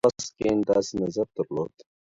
اګوست کنت داسې نظر درلود.